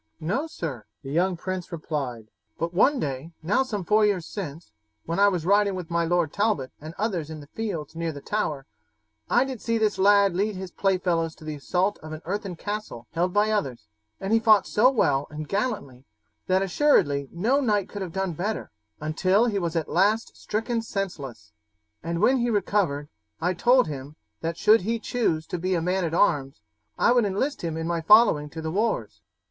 "No, sir," the young prince replied, "but one day, now some four years since, when I was riding with my Lord Talbot and others in the fields near the Tower I did see this lad lead his play fellows to the assault of an earthen castle held by others, and he fought so well and gallantly that assuredly no knight could have done better, until he was at last stricken senseless, and when he recovered I told him that should he choose to be a man at arms I would enlist him in my following to the wars."